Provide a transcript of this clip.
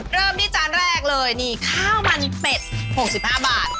เริ่มที่จานแรกเลยนี่ข้าวมันเป็ด๖๕บาท